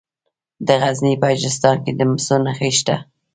د غزني په اجرستان کې د مسو نښې شته.